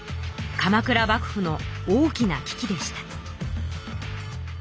鎌倉幕府の大きな危機でした。